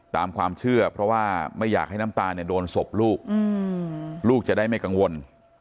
ตามความเชื่อเพราะว่าไม่อยากให้น้ำตาลโดนศพลูกลูกจะได้ไม่กังวล